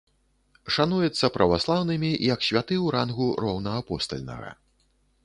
Шануецца праваслаўнымі як святы ў рангу роўнаапостальнага.